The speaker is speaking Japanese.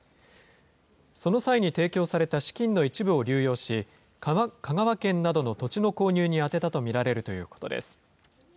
その際に提供された資金の一部を流用し、香川県などの土地の購入に充てたと見られるということです。